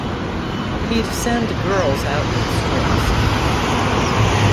He'd send girls out with scripts.